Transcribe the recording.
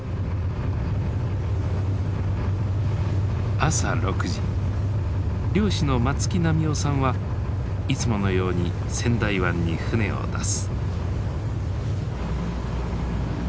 朝６時漁師の松木波男さんはいつものように仙台湾に船を出す。